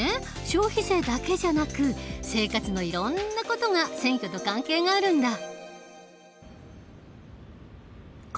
消費税だけじゃなく生活のいろんな事が選挙と関係があるんだ。